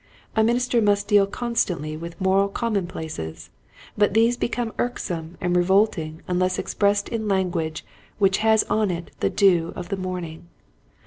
A minister must deal constantly with moral common places, but these become irksome and re volting unless expressed in language which has on it the dew of the morning.